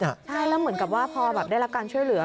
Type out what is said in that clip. ใช่แล้วเหมือนกับว่าพอแบบได้รับการช่วยเหลือ